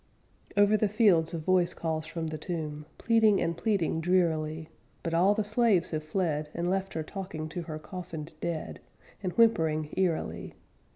Over the fields a voice calls from the tomb, Pleading and pleading drearily, But all the slaves have fled And left her talking to her coffined dead, _And whimpering eerily.